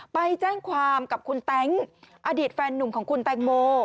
ไปแจ้งความกับคุณแต๊งอดีตแฟนหนุ่มของคุณแตงโม